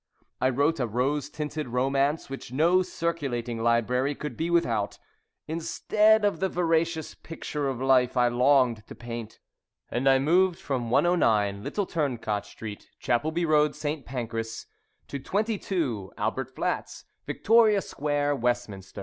I wrote a rose tinted romance, which no circulating library could be without, instead of the veracious picture of life I longed to paint; and I moved from 109, Little Turncot Street, Chapelby Road, St. Pancras, to 22, Albert Flats, Victoria Square, Westminster.